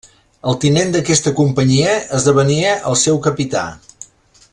El tinent d'aquesta companyia esdevenia el seu capità.